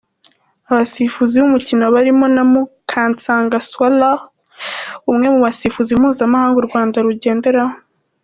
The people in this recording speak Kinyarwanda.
Abasifuzi b'umukino barimo na Mukansanga Swalha umwe mu basifuzi mpuzamahamga u Rwanda rugenderaho.